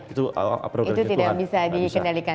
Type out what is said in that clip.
itu tidak bisa dikendalikan